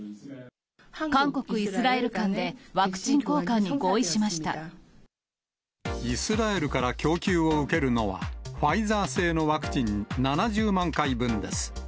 韓国・イスラエル間で、イスラエルから供給を受けるのは、ファイザー製のワクチン７０万回分です。